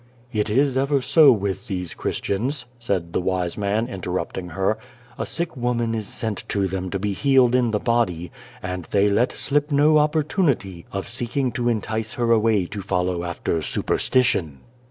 " It is ever so with these Christians," said the wise man, interrupting her. " A sick woman is sent to them to be healed in the body, and they let slip .no opportunity of seeking to entice her away to follow after superstition."